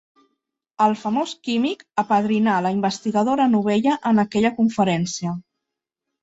El famós químic apadrinà la investigadora novella en aquella conferència.